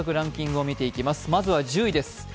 まずは１０位です。